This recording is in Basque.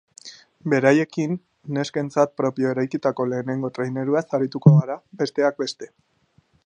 Beraiekin, neskentzat propio eraikitako lehenengo traineruaz arituko gara, besteak beste.